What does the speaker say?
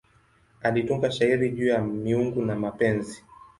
Alitunga shairi juu ya miungu na mapenzi.